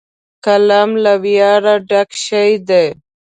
قلم له ویاړه ډک شی دی